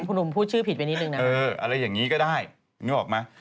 ผมพูดชื่อผิดไปนิดหนึ่งนะเอออะไรอย่างนี้ก็ได้อย่างนี้บอกมา